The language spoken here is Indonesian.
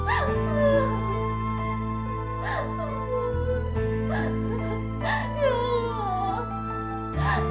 enggak mau berubah